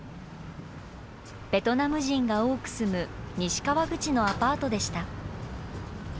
ベトナム人が多く住む西川口のアパートでした。